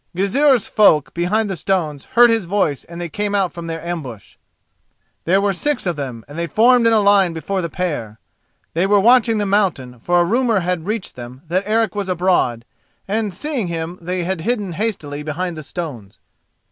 Gizur's folk behind the stones heard his voice and came out from their ambush. There were six of them, and they formed in line before the pair. They were watching the mountain, for a rumour had reached them that Eric was abroad, and, seeing him, they had hidden hastily behind the stones.